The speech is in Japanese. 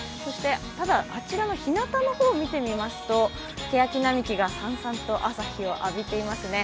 ただ、あちらのひなたの方を見てみますとけやき並木がさんさんと朝日を浴びていますね。